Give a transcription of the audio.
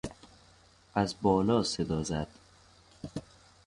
از بالا صدا زد.